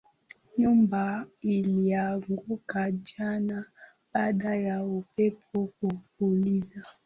Nyumba ilianguka chini baada ya upepo kupuliza